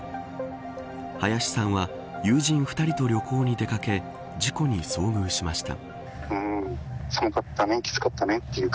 林さんは友人２人と旅行に出かけ事故に遭遇しました。